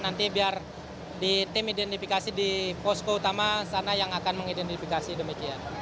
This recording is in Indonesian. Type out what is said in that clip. nanti biar di tim identifikasi di posko utama sana yang akan mengidentifikasi demikian